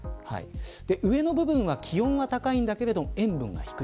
上の部分は気温は高いんだけど塩分が低い。